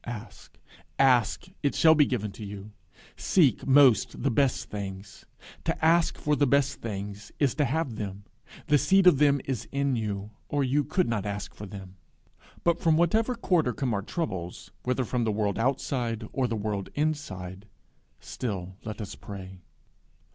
Ask, ask; it shall be given you. Seek most the best things; to ask for the best things is to have them; the seed of them is in you, or you could not ask for them. But from whatever quarter come our troubles, whether from the world outside or the world inside, still let us pray.